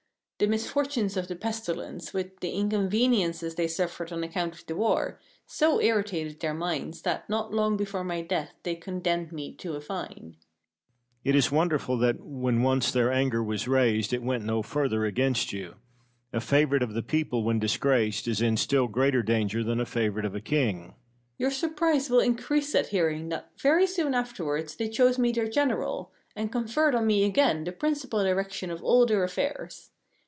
The misfortune of the pestilence, with the inconveniences they suffered on account of the war, so irritated their minds, that not long before my death they condemned me to a fine. Cosmo. It is wonderful that, when once their anger was raised, it went no further against you! A favourite of the people, when disgraced, is in still greater danger than a favourite of a king. Pericles. Your surprise will increase at hearing that very soon afterwards they chose me their general, and conferred on me again the principal direction of all their affairs.